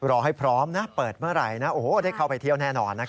รอให้พร้อมนะเปิดเมื่อไหร่นะโอ้โหได้เข้าไปเที่ยวแน่นอนนะครับ